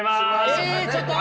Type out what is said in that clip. ええっちょっと！